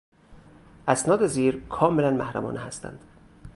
اسناد زیر کاملا محرمانه هستند.